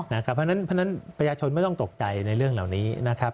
เพราะฉะนั้นประชาชนไม่ต้องตกใจในเรื่องเหล่านี้นะครับ